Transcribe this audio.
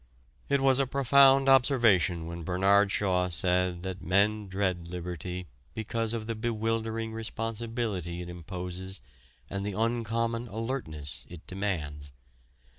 It was a profound observation when Bernard Shaw said that men dread liberty because of the bewildering responsibility it imposes and the uncommon alertness it demands.